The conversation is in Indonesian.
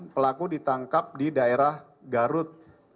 pelaku ditangkap di daerah garut